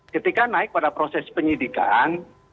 ketika naik pada proses penyidikan